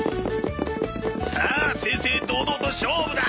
さあ正々堂々と勝負だ！